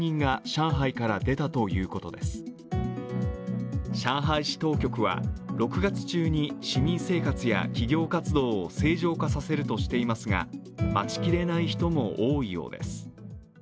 上海市当局は６月中に市民生活や企業活動を正常化させるとしていますが待ちきれない人も多いようです。